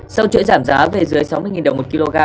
sau chuỗi giảm giá về dưới sáu mươi đồng một kg